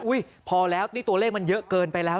พอแล้วนี่ตัวเลขมันเยอะเกินไปแล้ว